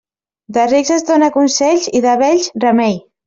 De rics es dóna consells i de vells remei.